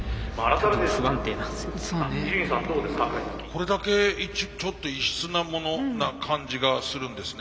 これだけちょっと異質なものな感じがするんですね。